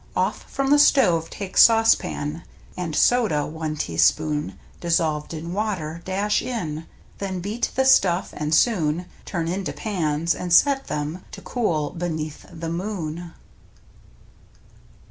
Off from the stove take saucepan And soda — one teaspoon Dissolved in water — dash in, Then beat the stuff and soon Turn into pans, and set them ^. To cool beneath the moon.